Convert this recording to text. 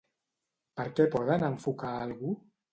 Per què poden enforcar algú?